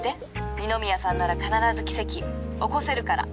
二宮さんなら必ず奇跡起こせるから。